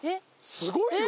すごいよ。